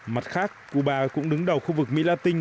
mặt khác cuba cũng đứng đầu khu vực mỹ la tinh